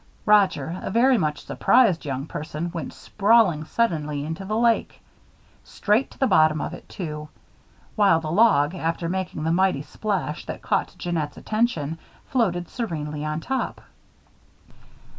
Roger, a very much surprised young person, went sprawling suddenly into the lake. Straight to the bottom of it, too; while the log, after making the mighty splash that caught Jeannette's attention, floated serenely on top.